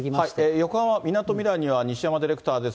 横浜・みなとみらいには西山ディレクターです。